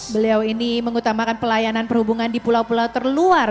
beliau ini mengutamakan pelayanan perhubungan di pulau pulau terluar